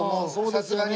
さすがに。